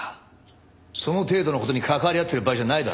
その程度の事に関わり合ってる場合じゃないだろ。